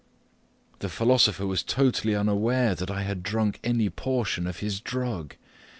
The philosopher was totally unaware that I had drunk any portion of his drug.